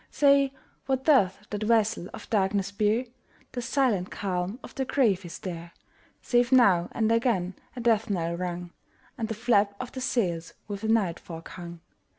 Say, what doth that vessel of darkness bear? The silent calm of the grave is there, Save now and again a death knell rung, And the flap of the sails with night fog hung.